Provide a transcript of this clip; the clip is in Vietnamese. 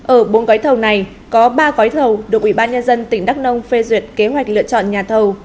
ở bốn gói thầu này có ba gói thầu được ủy ban nhân dân tỉnh đắk nông phê duyệt kế hoạch lựa chọn nhà thầu